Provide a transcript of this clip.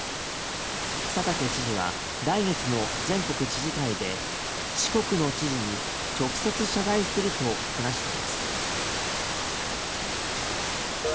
佐竹知事は来月の全国知事会で四国の知事に直接謝罪すると話しています。